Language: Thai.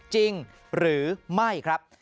จริงหรือไม่ครับ